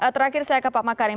terakhir saya ke pak makarim